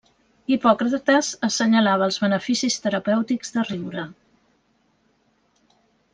Hipòcrates assenyalava els beneficis terapèutics de riure.